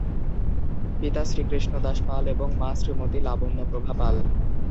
পিতা শ্রীকৃষ্ণ দাস পাল এবং মা শ্রীমতি লাবণ্য প্রভা পাল।